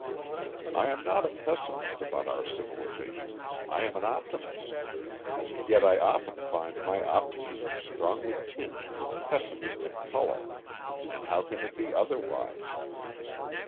I am not a pessimist about our civilization: I am an optimist. Yet I often find my optimism strongly tinged with pessimistic color. And how can it be otherwise?